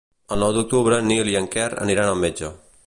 El nou d'octubre en Nil i en Quer aniran al metge.